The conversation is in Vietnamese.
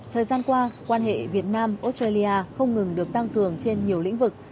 thời gian qua quan hệ việt nam australia không ngừng được tăng cường trên nhiều lĩnh vực